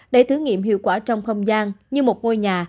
để thử nghiệm hiệu quả trong không gian như một ngôi nhà